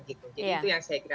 jadi itu yang saya kira